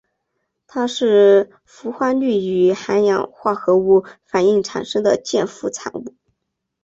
它是氟化氯与含氧化合物反应产生的常见副产物。